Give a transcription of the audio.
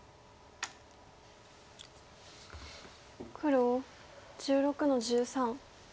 黒１６の十三。